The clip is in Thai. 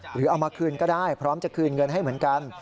หรือเอามาคืนก็ได้พร้อมจะคืนเงินให้เหมือนกัน